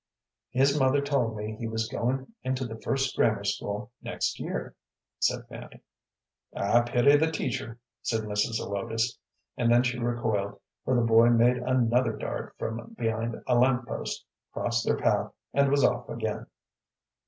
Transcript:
"His mother told me he was goin' into the first grammar school next year," said Fanny. "I pity the teacher," said Mrs. Zelotes, and then she recoiled, for the boy made another dart from behind a lamp post, crossed their path, and was off again.